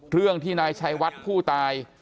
เรื่องที่นายชัยวัดผู้ตาย